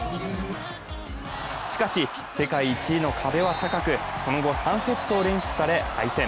しかし、世界１位の壁は高く、その後３セットを連取され敗戦。